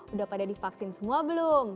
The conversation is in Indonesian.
udah pada divaksin semua belum